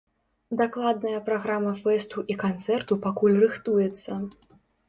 Дакладная праграма фэсту і канцэрту пакуль рыхтуецца.